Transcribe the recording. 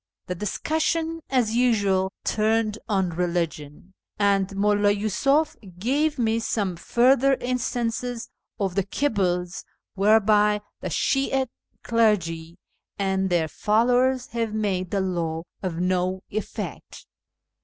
The dicussion, as usual, turned on religion, and Mulla Yi'isuf gave me some further instances of the quibbles whereby the Shi'ite clergy and their followers have made the law of no effect.